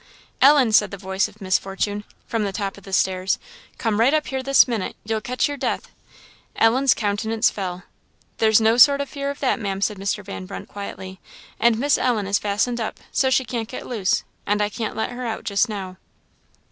"Ellen!" said the voice of Miss Fortune, from the top of the stairs "come right up here, this minute! you'll catch your death!" Ellen's countenance fell. "There's no sort of fear of that, Maam," said Mr. Van Brunt, quietly; "and Miss Ellen is fastened up so, she can't get loose; and I can't let her out just now."